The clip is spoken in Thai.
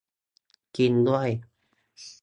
กินด้วย !